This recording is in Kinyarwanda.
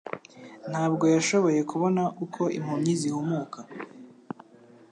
Ntabwo yashoboye kubona uko impumyi zihumuka,